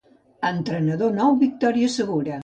A entrenador nou, victòria segura.